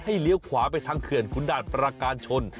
เลี้ยวขวาไปทางเขื่อนขุนด่านประการชน